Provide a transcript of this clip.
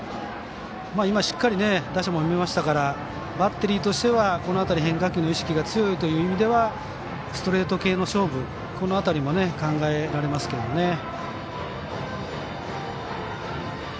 今、しっかり打者も見ましたからバッテリーとしては、この辺り変化球の意識が強いという意味ではストレート系の勝負という辺りも考えられますけどね。